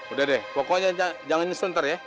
udah deh pokoknya jangan nyesel ntar ya